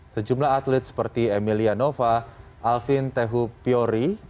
sejumlah atlet seperti emilia nova alvin tehu piori